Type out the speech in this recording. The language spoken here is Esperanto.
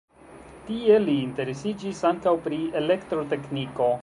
Tie li interesiĝis ankaŭ pri elektrotekniko.